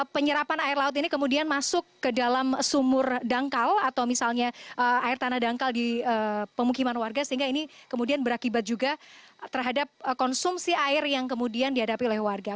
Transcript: penyerapan air laut ini kemudian masuk ke dalam sumur dangkal atau misalnya air tanah dangkal di pemukiman warga sehingga ini kemudian berakibat juga terhadap konsumsi air yang kemudian dihadapi oleh warga